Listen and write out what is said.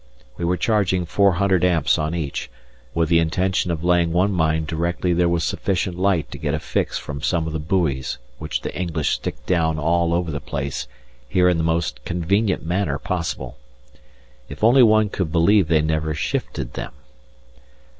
We were charging 400 amps on each, with the intention of laying one mine directly there was sufficient light to get a fix from some of the buoys which the English stick down all over the place here in the most convenient manner possible. If only one could believe they never shifted them.